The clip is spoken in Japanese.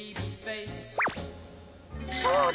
そうだ！